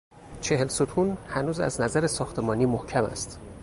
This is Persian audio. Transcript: چهل ستون هنوز از نظر ساختمانی محکم است.